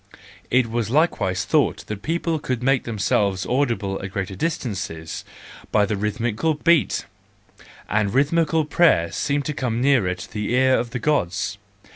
It was likewise thought that people could make them¬ selves audible at greater distances by the rhythmi¬ cal beat; the rhythmical prayer seemed to come nearer to the ear of the Gods.